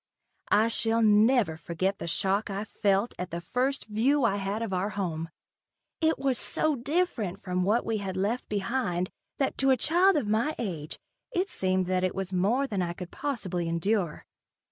I shall never forget the shock I felt at the first view I had of our new home. It was so different from what we had left behind, that to a child of my age, it seemed that it was more than I could possibly endure.